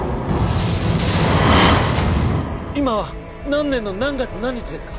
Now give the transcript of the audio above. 今は何年の何月何日ですか？